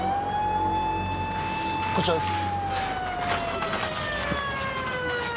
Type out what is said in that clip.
こちらです。